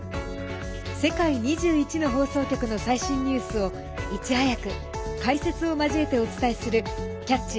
世界２１の放送局の最新ニュースをいち早く解説を交えてお伝えする「キャッチ！